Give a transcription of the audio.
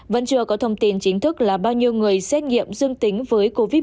vẫn chưa có thông tin chính thức là bao nhiêu người xét nghiệm dương tính với covid một mươi chín